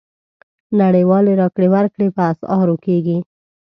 نړیوالې راکړې ورکړې په اسعارو کېږي.